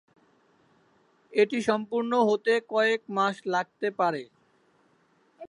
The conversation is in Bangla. এটি সম্পূর্ণ হতে কয়েক মাস লাগতে পারে।